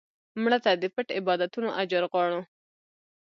مړه ته د پټ عبادتونو اجر غواړو